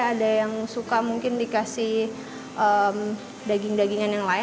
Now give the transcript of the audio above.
ada yang suka mungkin dikasih daging dagingan yang lain